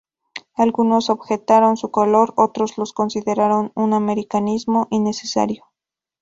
Algunos objetaron su color, otros los consideraron un americanismo innecesario.